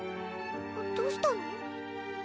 どうしたの？